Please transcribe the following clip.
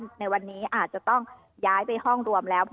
ในวันนี้อาจจะต้องย้ายไปห้องรวมแล้ว